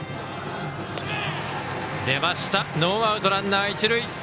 出ましたノーアウト、ランナー、一塁。